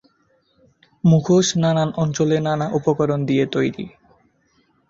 মুখোশ নানান অঞ্চলে নানা উপকরণ দিয়ে তৈরি।